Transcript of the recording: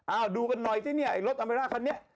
ดูกันหน่อยสิเนี่ยไอ้รถอเมร่าคันนี้